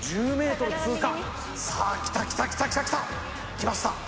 １０ｍ通過さあきたきたきたきたきたきました